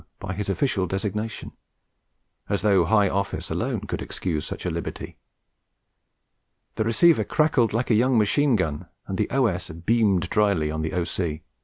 by his official designation, as though high office alone could excuse such a liberty. The receiver cackled like a young machine gun, and the O.S. beamed dryly on the O.C.